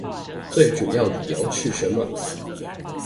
最主要理由是什麼？